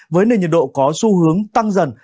với nền nhiệt độ có xu hướng tăng dần